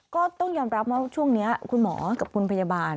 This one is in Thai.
ก็ต้องยอมรับว่าช่วงนี้คุณหมอกับคุณพยาบาล